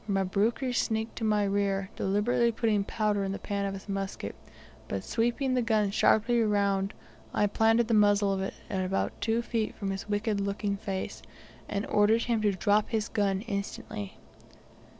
Mabruki sneaked to my rear, deliberately putting powder in the pan of his musket, but sweeping the gun sharply round, I planted the muzzle of it at about two feet from his wicked looking face, and ordered him to drop his gun instantly.